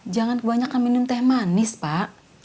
jangan kebanyakan minum teh manis pak